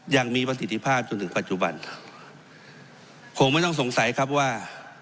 ยังมีประสิทธิภาพจนถึงปัจจุบันคงไม่ต้องสงสัยครับว่า